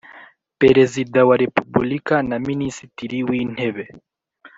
Perezida wa Repubulika na Minisitiri w Intebe